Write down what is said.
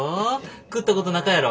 食ったことなかやろ？